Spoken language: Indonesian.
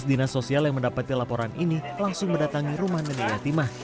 dinas sosial yang mendapati laporan ini langsung mendatangi rumah nenek yatimah